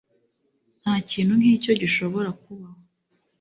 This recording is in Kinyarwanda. ntakintu nkicyo gishobora kubaho